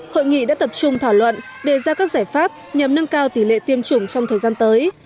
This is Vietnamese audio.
hội nghị đã tập trung thảo luận đề ra các giải pháp nhằm nâng cao tỷ lệ tiêm chủng trong thời gian tới